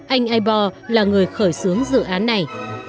anh eibor là người khởi xướng dự án này